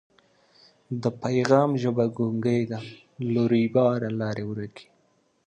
د پیغام ژبه ګونګۍ ده له رویباره لاري ورکي